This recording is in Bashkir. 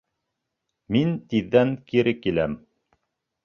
Мин тиҙҙән кире киләм.